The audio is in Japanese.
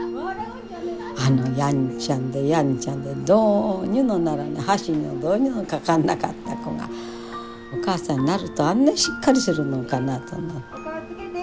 あのやんちゃでやんちゃでどうにもならない箸にも棒にもかかんなかった子がお母さんになるとあんなしっかりするもんかなと思って。